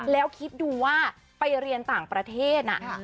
แล้วคิดดูว่าไปเรียนต่างประเทศ